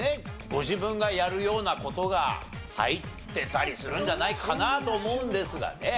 ご自分がやるような事が入ってたりするんじゃないかなと思うんですがね。